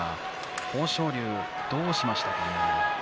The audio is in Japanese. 豊昇龍、どうしましたかね。